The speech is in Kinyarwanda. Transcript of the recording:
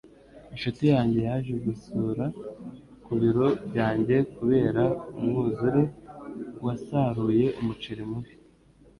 Inshuti yanjye yaje kunsura ku biro byanjye. Kubera umwuzure, wasaruye umuceri mubi.